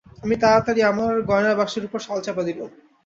আমি তাড়াতাড়ি আমার গয়নার বাক্সর উপর শাল চাপা দিলুম।